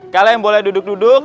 kalian boleh duduk duduk